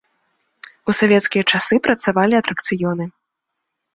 У савецкія часы працавалі атракцыёны.